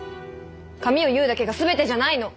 髪を結うだけが全てじゃないの。